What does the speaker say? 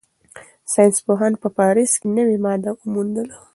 ساینسپوهانو په پاریس کې نوې ماده وموندله.